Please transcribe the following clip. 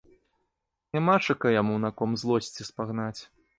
Нямашака яму на ком злосці спагнаць.